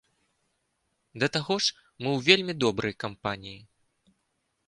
Да таго ж, мы ў вельмі добрай кампаніі.